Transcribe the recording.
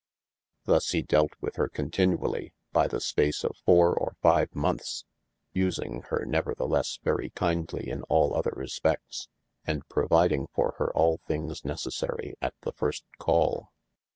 Thus he dealt with her continuallye by the space of fowre or five monethes, using hir neverthelesse very kindly in all other . respedts, and providing for hir all things necessary at the first call.